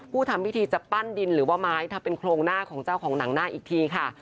ทำพิธีจะปั้นดินหรือว่าไม้ทำเป็นโครงหน้าของเจ้าของหนังหน้าอีกทีค่ะ